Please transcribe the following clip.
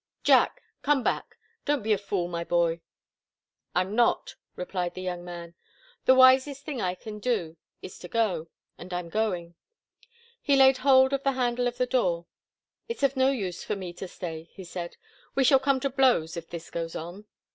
"Jack! Come back! Don't be a fool, my boy!" "I'm not," replied the young man. "The wisest thing I can do is to go and I'm going." He laid hold of the handle of the door. "It's of no use for me to stay," he said. "We shall come to blows if this goes on."